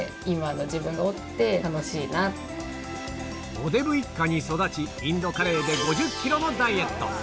おデブ一家に育ちインドカレーで５０ｋｇのダイエット